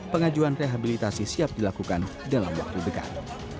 pengajuan rehabilitasi siap dilakukan dalam waktu dekat